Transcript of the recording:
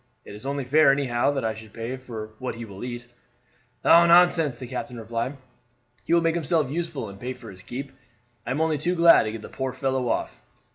It is only fair anyhow that I should pay for what he will eat." "Oh, nonsense!" the captain replied. "He will make himself useful and pay for his keep. I am only too glad to get the poor fellow off.